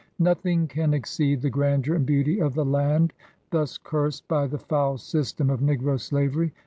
Nothing can exceed the grandeur and beauty of the land thus cursed by the foul system of negro slavery.